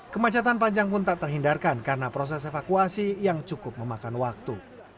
kemacetan panjang pun tak terhindarkan karena proses evakuasi yang cukup memakan waktu